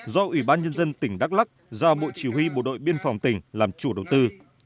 do ủy ban nhân dân tỉnh đắk lắc giao bộ chỉ huy bộ đội biên phòng tỉnh làm chủ đầu tư